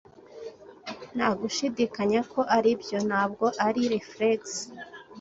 Nta gushidikanya ko aribyo, ntabwo ari reflex